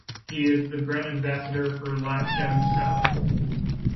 He is the brand ambassador for "Lak Salu Sala".